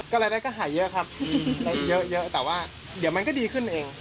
รายได้ก็หายเยอะครับเยอะแต่ว่าเดี๋ยวมันก็ดีขึ้นเอง